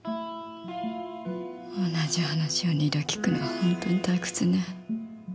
同じ話を２度聞くのは本当に退屈ね。